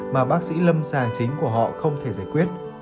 mà bác sĩ lâm sàng chính của họ không thể giải quyết